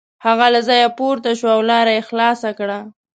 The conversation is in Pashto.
هغه له ځایه پورته شو او لار یې خلاصه کړه.